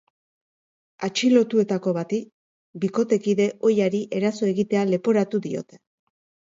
Atxilotuetako bati bikotekide ohiari eraso egitea leporatu diote.